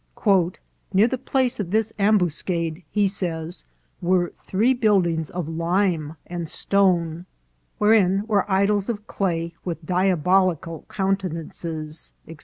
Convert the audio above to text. " Near the place of this ambuscade," he says, " were three buildings of lime and stone, wherein were idols of clay with diabolical countenances," &c.